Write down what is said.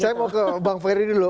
saya mau ke bang ferry dulu